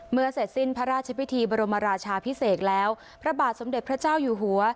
เสร็จสิ้นพระราชพิธีบรมราชาพิเศษแล้วพระบาทสมเด็จพระเจ้าอยู่หัว